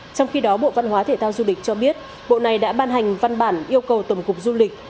trong khi đó bộ văn hóa thể thao du lịch cho biết bộ này đã ban hành văn bản yêu cầu tổng cục du lịch